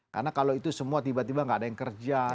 karena kalau itu semua tiba tiba tidak ada yang kerja